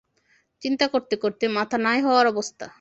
চিন্তা করতে করতে মাথা নাই হওয়ার অবস্থা।